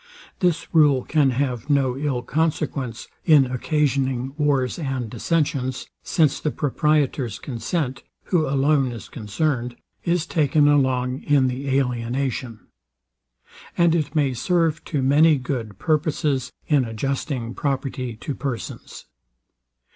This rule can have no ill consequence, in occasioning wars and dissentions; since the proprietor's consent, who alone is concerned, is taken along in the alienation: And it may serve to many good purposes in adjusting property to persons.